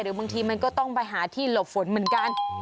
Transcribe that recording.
บางทีมันก็ต้องไปหาที่หลบฝนเหมือนกัน